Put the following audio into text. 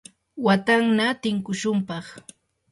watanna tinkushunpaq.